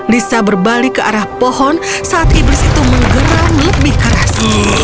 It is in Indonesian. lisa berbalik ke arah pohon saat iblis itu menggeram lebih keras